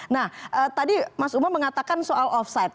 nah tadi mas uma mengatakan soal off site